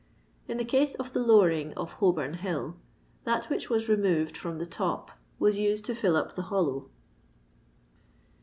In the case of the lowering of Holbom hill, that which was remoyed from the top was used to fill up the hollow.